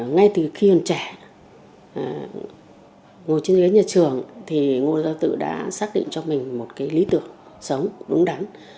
ngay từ khi còn trẻ ngồi trên ghế nhà trường thì ngô gia tự đã xác định cho mình một cái lý tưởng sống đúng đắn